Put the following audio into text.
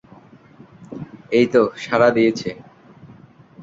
এইতো সাড়া দিয়েছে।